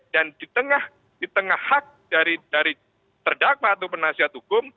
dan di tengah hak dari terdakwa atau penasihat hukum